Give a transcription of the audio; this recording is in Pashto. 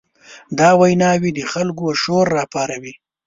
دا ویناوې د خلکو شور راپاروي.